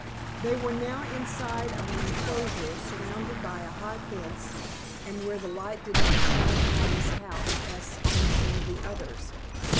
They were now inside of an enclosure, surrounded by a high fence, and where the light did not shine upon this house as on some of the others.